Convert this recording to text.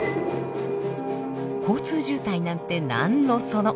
交通渋滞なんて何のその。